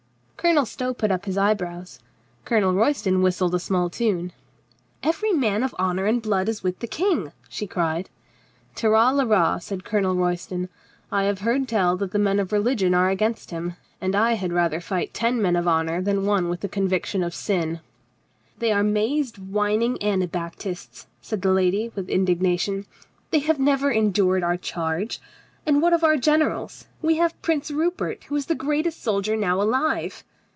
Colonel Stow put up his eyebrows. Colonel Roys ton whistled a small tune. "Every man of honor and blood is with the King!" she cried. "Tira lira," said Colonel Royston. "I have heard tell that the men of religion are against him, and I had rather fight ten men of honor than one with a conviction of sin." "They are mazed whining Anabaptists," said the lady with indignation. "They have never endured our charge. And what of our generals? We have Prince Rupert, who is the greatest soldier now alive."